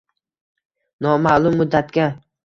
Noma'lum muddatga